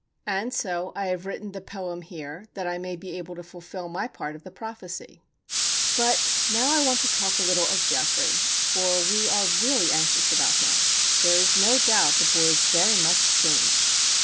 And so I have written "the poem" here, that I may be able to fulfil my part of the prophecy. But now I want to talk a little of Geoffrey, for we are really anxious about him. There is no doubt the boy is very much changed.